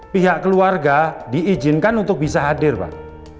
pihak keluarga diizinkan untuk bisa hadir pak